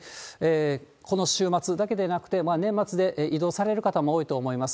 この週末だけでなくて、年末で移動される方も多いと思います。